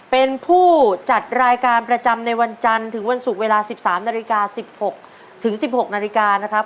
เป็นผู้จัดรายการประจำในวันจันทร์ถึงวันศุกร์เวลา๑๓นาฬิกา๑๖ถึง๑๖นาฬิกานะครับ